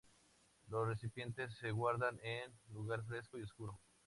Los recipientes se guardan en lugar fresco y oscuro.